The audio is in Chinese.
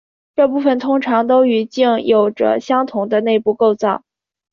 这部分通常都与茎有着相同的内部构造。